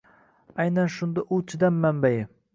Aynan shunda u chidam manbai.